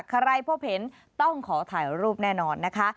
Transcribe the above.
ใครพบเห็นต้องขอถ่ายรูปแน่นอนนะคะ